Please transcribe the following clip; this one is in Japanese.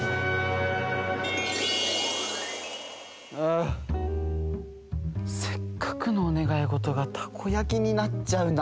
あせっかくのおねがいごとがたこやきになっちゃうなんて。